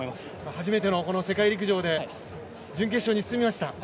初めての世界陸上で準決勝に進みました。